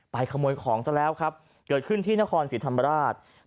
ขโมยของซะแล้วครับเกิดขึ้นที่นครศรีธรรมราช